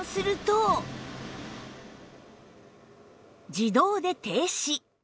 自動で停止